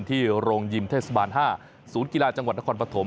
โรงยิมเทศบาล๕ศูนย์กีฬาจังหวัดนครปฐม